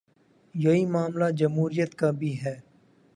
یہی معاملہ جمہوریت کا بھی ہے۔